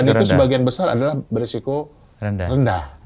dan itu sebagian besar adalah berisiko rendah